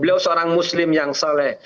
beliau seorang muslim yang soleh